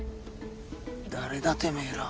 誰だてめぇらは。